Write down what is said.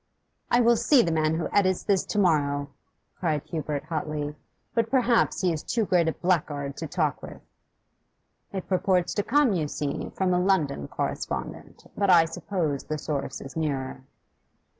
'I will see the man who edits this to morrow,' cried Hubert hotly. 'But perhaps he is too great a blackguard to talk with.' 'It purports to come, you see, from a London correspondent. But I suppose the source is nearer.